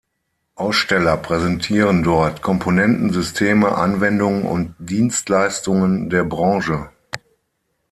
Aussteller präsentieren dort Komponenten, Systeme, Anwendungen und Dienstleistungen der Branche.